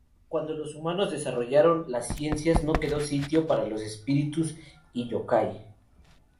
Cuando los humanos desarrollaron las ciencias no quedó sitio para los espíritus y yōkai.